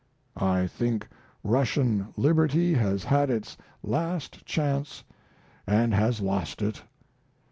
I think Russian liberty has had its last chance and has lost it.